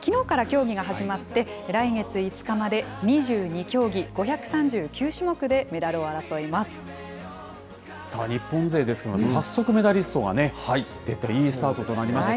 きのうから競技が始まって、来月５日まで２２競技、日本勢ですが、早速メダリストが出ていいスタートとなりました。